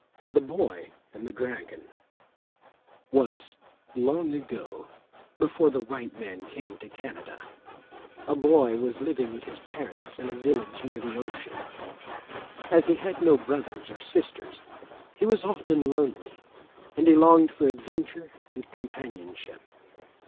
THE BOY AND THE DRAGON Once, long ago, before the white man came to Canada, a boy was living with his parents in a village near the ocean. As he had no brothers or sisters, he was often lonely, and he longed for adventure and companionship.